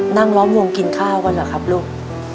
นั่งร้องงงกินข้าวน่ะครับลูก